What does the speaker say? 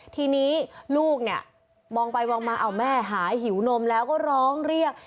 ทีนี้ลูกเนี่ยมองไปมองมาเอาแม่หายหิวนมแล้วก็ร้องเรียก